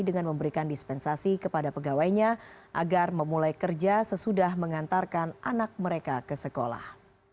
dengan memberikan dispensasi kepada pegawainya agar memulai kerja sesudah mengantarkan anak mereka ke sekolah